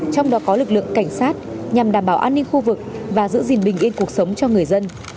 trong đó có lực lượng cảnh sát nhằm đảm bảo an ninh khu vực và giữ gìn bình yên cuộc sống cho người dân